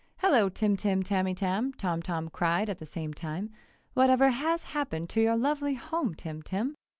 "Hello, Tim Tim Tamytam!" Tom Tom cried at the same time, "What ever has happened to your lovely home, Tim Tim?"